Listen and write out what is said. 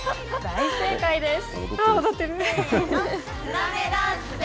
大正解です。